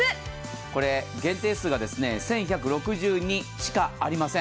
これ、限定数が１１６２しかありません。